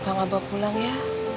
kak mbak pulang ya